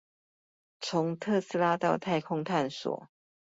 從特斯拉到太空探索